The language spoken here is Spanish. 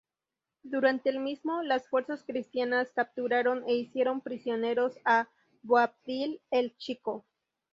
Durante el mismo, las fuerzas cristianas capturaron e hicieron prisionero a Boabdil el Chico.